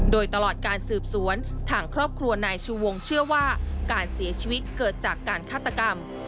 โดยตลอดการสืบสวนทางครอบครัวนายชูวงเชื่อว่าการเสียชีวิตเกิดจากการฆาตกรรม